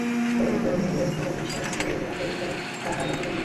খড়মের বউলের মতো জিনিসটাই নাকি টেলিগ্রাফের কল, তাহার বাবা বলিল।